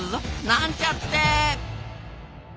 なんちゃって。